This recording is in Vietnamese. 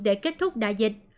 để kết thúc đại dịch